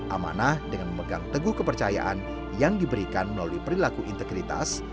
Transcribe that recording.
amanah dengan memegang teguh kepercayaan yang diberikan melalui perilaku integritas